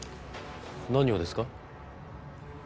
何をですか？